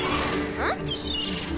うん？